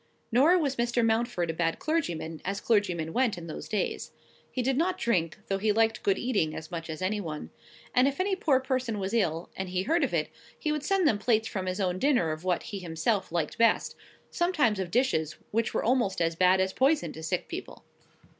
Nor was Mr. Mountford a bad clergyman, as clergymen went in those days. He did not drink, though he liked good eating as much as any one. And if any poor person was ill, and he heard of it, he would send them plates from his own dinner of what he himself liked best; sometimes of dishes which were almost as bad as poison to sick people.